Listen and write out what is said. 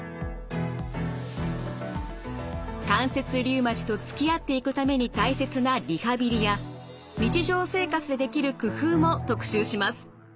関節リウマチとつきあっていくために大切なリハビリや日常生活でできる工夫も特集します。